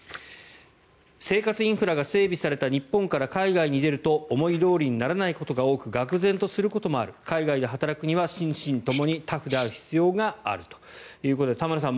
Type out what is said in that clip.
生活インフラが整備された日本から海外に出ると思いどおりにならないことが多くがくぜんとすることもある海外で働くには心身ともにタフである必要があるということで田村さん